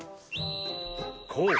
こう！